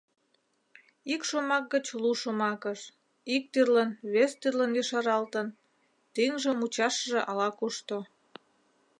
Ик шомак гыч лу шомакыш, ик тӱрлын, вес тӱрлын ешаралтын, — тӱҥжӧ-мучашыже ала-кушто.